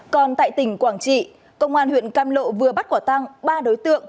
còn tại tỉnh quảng trị công an huyện cam lộ vừa bắt quả tăng ba đối tượng